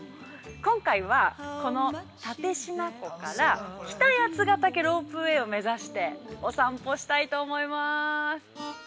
今回はこの蓼科湖から北八ヶ岳ロープウェイを目指してお散歩したいと思いまーす。